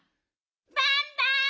バンバン！